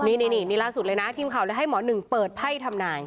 นี่นี่นี่นี่ล่าสุดเลยนะทีมข่าวแล้วให้หมอหนึ่งเปิดไพ่ทำนาย